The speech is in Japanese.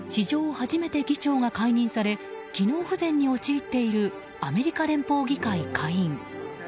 初めて議長が解任され機能不全に陥っているアメリカ連邦議会下院。